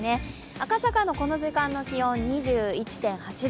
赤坂のこの時間の気温、２１．８度。